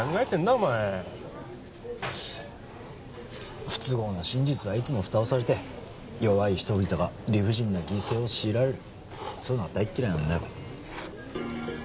お前不都合な真実はいつも蓋をされて弱い人々が理不尽な犠牲を強いられるそういうのが大嫌いなんだよ